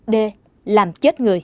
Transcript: d làm chết người